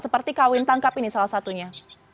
seperti kawin tangkap ini salah satunya